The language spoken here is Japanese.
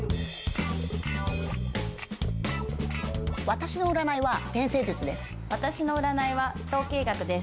私の占いは統計学です。